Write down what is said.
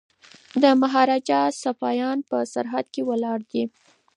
د مهاراجا سپایان په سرحد کي ولاړ دي.